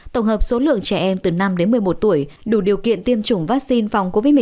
tổng hợp số lượng trẻ em từ năm đến một mươi một tuổi đủ điều kiện tiêm chủng vaccine phòng covid một mươi chín